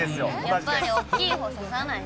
やっぱり大きいの差さないと。